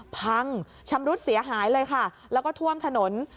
พังชำรุดเสียหายเลยค่ะแล้วก็ท่วมถนน